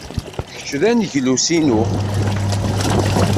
Kečč d aneglus-inu.